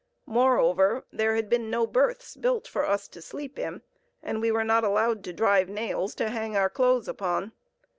Moreover, there had been no berths built for us to sleep in, and we were not allowed to drive nails to hang our clothes upon.